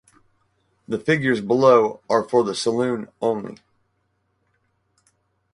The figures below are for the saloon only.